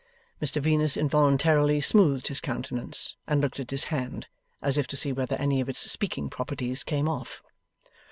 Mr Venus involuntarily smoothed his countenance, and looked at his hand, as if to see whether any of its speaking properties came off.